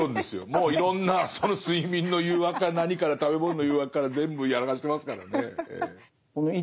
もういろんな睡眠の誘惑から何から食べ物の誘惑から全部やらかしてますからねええ。